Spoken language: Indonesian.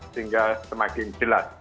sehingga semakin jelas